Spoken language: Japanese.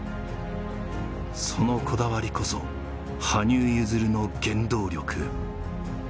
そのこだわりこそ、羽生結弦の原動力。